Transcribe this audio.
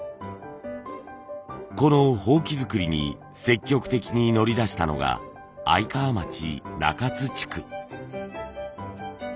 この箒作りに積極的に乗り出したのが愛川町中津地区。